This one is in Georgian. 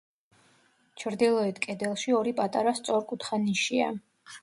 ჩრდილოეთ კედელში ორი პატარა სწორკუთხა ნიშია.